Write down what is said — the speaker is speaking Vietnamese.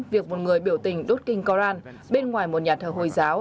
việc một người biểu tình đốt kinh koran bên ngoài một nhà thờ hồi giáo